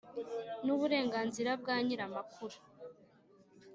n uburenganzira bwa nyir amakuru